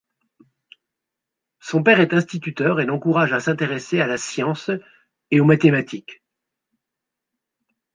Son père est instituteur et l'encourage à s'intéresser à la science et aux mathématiques.